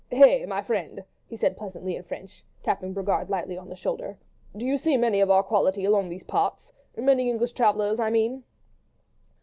Hey! my friend," he said pleasantly in French, and tapping Brogard lightly on the shoulder, "do you see many of our quality along these parts? Many English travellers, I mean?"